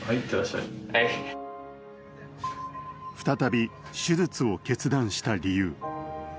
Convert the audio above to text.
再び手術を決断した理由。